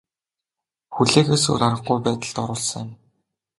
Хүлээхээс өөр аргагүй байдалд оруулсан юм.